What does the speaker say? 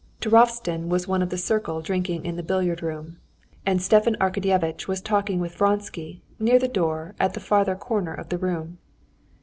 Turovtsin was one of the circle drinking in the billiard room, and Stepan Arkadyevitch was talking with Vronsky near the door at the farther corner of the room.